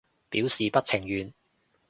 表示不情願